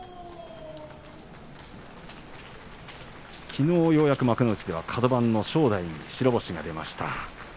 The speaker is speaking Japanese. きのう幕内ではカド番の正代に白星が出ました。